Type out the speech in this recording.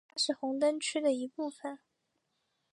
它是红灯区的一部分。